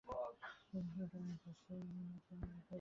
Mrs সুটারের কাছ থেকেও সুন্দর একখানি চিঠি পেয়েছি।